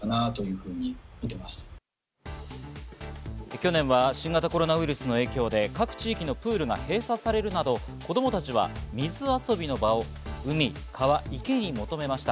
去年は新型コロナウイルスの影響で各地域のプールが閉鎖されるなど子供たちは水遊びの場を海、川、池に求めました。